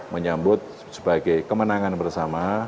menyambut sebagai kemenangan bersama